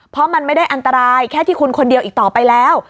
เพราะมันไม่ได้อันตรายแค่ที่คุณคนเดียวอีกต่อไปแล้ว